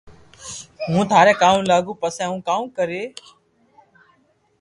ھون ٿاري ڪاوُ لاگو پسي ھون ڪاو ڪري